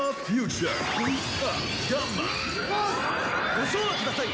ご唱和ください